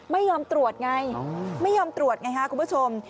ไม่ยอมตรวจไงไม่ยอมตรวจไงฮะคุณผู้ชม